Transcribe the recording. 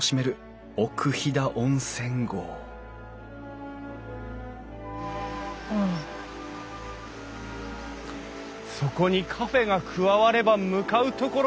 そこにカフェが加われば向かう所敵なし！